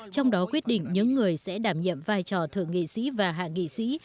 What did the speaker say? trong đó quyết định những người sẽ đảm nhiệm vai trò thượng nghị sĩ và hạ nghị sĩ